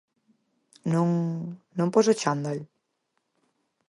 _¿Non... non pos o chándal?